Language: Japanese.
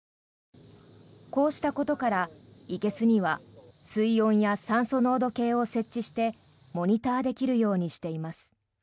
こうしたことから、いけすには水温や酸素濃度計を設置してモニターできるようにしています。